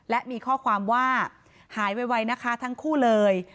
และมีข้อความว่าหายไวนะคะทั้งคู่เลย